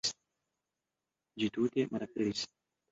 Ĝi tute malaperis.